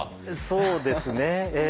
そうですねええ。